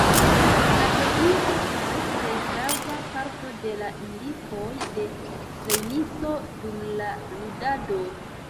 Strategio estas plej grava parto de la indikoj de trejnisto, dum la ludado.